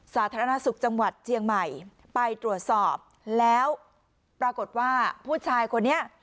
สาธารณสุขจังหวัดเชียงใหม่ไปตรวจสอบแล้วปรากฏว่าผู้ชายคนนี้